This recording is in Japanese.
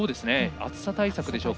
暑さ対策でしょうか。